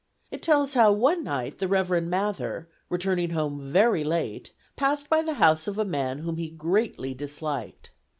It tells how one night the Reverend Mather, returning home very late, passed by the house of a man whom he greatly disliked.